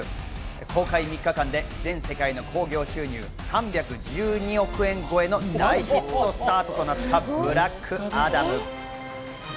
公開３日間で全世界の興行収入３１２億円超えの大ヒットスタートとなった『ブラックアダム』。